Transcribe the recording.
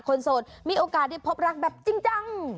โสดมีโอกาสได้พบรักแบบจริงจัง